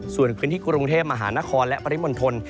ส่วนพื้นที่กรุงเทพมหานครและปริมณฑล